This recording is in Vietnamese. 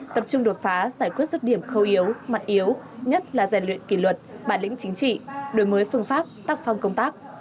tập trung đột phá giải quyết rứt điểm khâu yếu mặt yếu nhất là rèn luyện kỷ luật bản lĩnh chính trị đổi mới phương pháp tác phong công tác